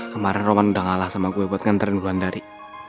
kemaren roman udah ngalah sama gue buat nganterin ulan dari